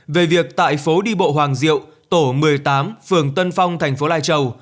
về việc tại phố đi bộ hoàng diệu tổ một mươi tám phường tân phong thành phố lai châu